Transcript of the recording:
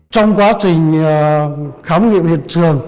trong quá trình khám nghiệp hiện trường